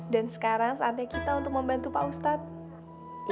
dan sekarang saatnya kita untuk membantu pak ustadz